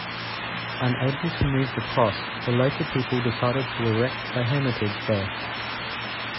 Unable to move the cross, the local people decided to erect a hermitage there.